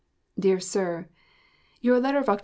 DEAR SIR: Your letter of Oct.